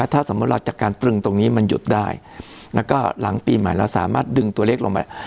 ถ้าสมมุติเราจากการตรึงตรงนี้มันหยุดได้แล้วก็หลังปีใหม่เราสามารถดึงตัวเลขลงไป